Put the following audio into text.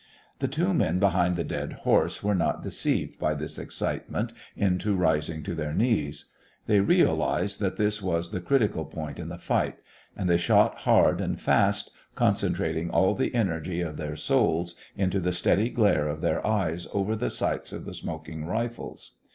The two men behind the dead horse were not deceived by this excitement into rising to their knees. They realised that this was the critical point in the fight, and they shot hard and fast, concentrating all the energy of their souls into the steady glare of their eyes over the sights of the smoking rifles.